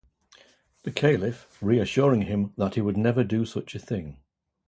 The caliph reassuring him that he would never do such a thing.